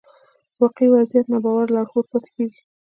واقعي وضعيت ناباور لارښود پاتې کېږي.